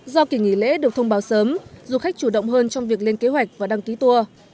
do kỷ nghỉ lễ được thông báo sớm du khách chủ động hơn trong việc lên kế hoạch và đăng ký tour